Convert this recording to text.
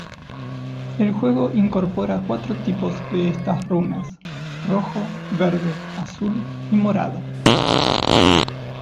El juego incorpora cuatro tipos de estas runas: rojo, verde, azul y morado.